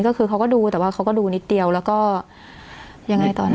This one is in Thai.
ก็คือเขาก็ดูแต่ว่าเขาก็ดูนิดเดียวแล้วก็ยังไงตอนนี้